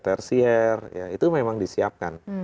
tersier itu memang disiapkan